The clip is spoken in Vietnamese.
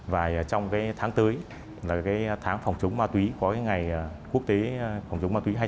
và trong cái tháng tới là cái tháng phòng chống ma túy có cái ngày quốc tế phòng chống ma túy